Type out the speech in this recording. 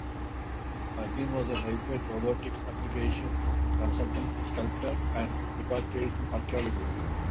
Huglin was a lightweight-robotics applications consultant, sculptor, and repatriation archeologist.